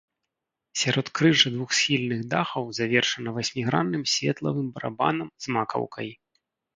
Сяродкрыжжа двухсхільных дахаў завершана васьмігранным светлавым барабанам з макаўкай.